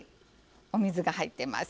お水が入っています。